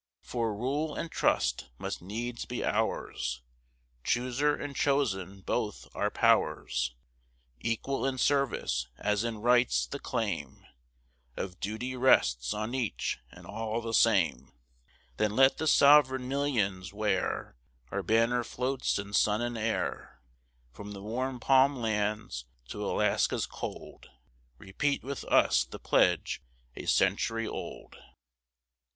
For rule and trust must needs be ours; Chooser and chosen both are powers Equal in service as in rights; the claim Of Duty rests on each and all the same. Then let the sovereign millions, where Our banner floats in sun and air, From the warm palm lands to Alaska's cold, Repeat with us the pledge a century old!